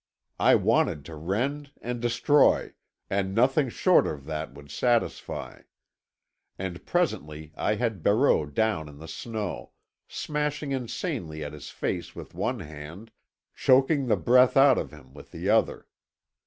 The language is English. I wanted to rend and destroy, and nothing short of that would satisfy. And presently I had Barreau down in the snow, smashing insanely at his face with one hand, choking the breath out of him with the other.